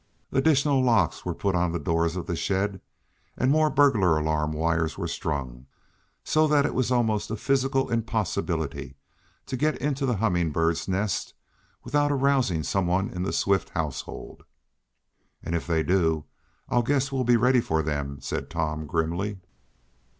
Additional locks were put on the doors of the shed, and more burglar alarm wires were strung, so that it was almost a physical impossibility to get into the Humming Bird's "nest" without arousing some one in the Swift household. "And if they do, I guess we'll be ready for them," said Tom grimly.